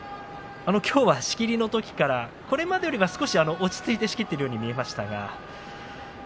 きょうは仕切りのときからこれまでより少し落ち着いて仕切っているように見えました。